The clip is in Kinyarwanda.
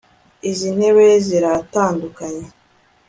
Izi ntebe ziratandukanye